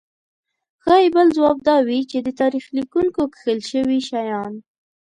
ښايي بل ځواب دا وي چې د تاریخ لیکونکو کښل شوي شیان.